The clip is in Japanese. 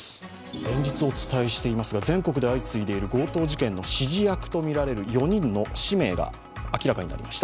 連日お伝えしていますが全国で相次ぐ強盗事件の指示役とみられる４人の氏名が明らかになりました。